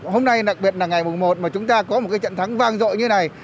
hôm nay đặc biệt là ngày một mà chúng ta có một cái trận thắng vang dội như này